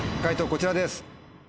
こちらです。